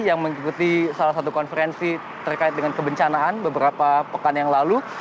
yang mengikuti salah satu konferensi terkait dengan kebencanaan beberapa pekan yang lalu